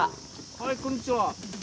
はいこんにちはどうも。